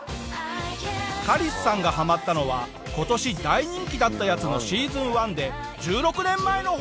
カリスさんがハマったのは今年大人気だったやつのシーズン１で１６年前の方。